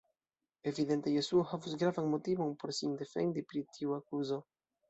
Evidente Jesuo havus gravan motivon por sin defendi pri tiu akuzo.